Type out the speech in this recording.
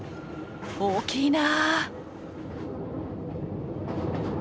大きいな！